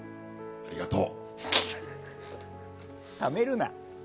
ありがとう。